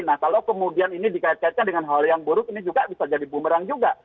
nah kalau kemudian ini dikait kaitkan dengan hal yang buruk ini juga bisa jadi bumerang juga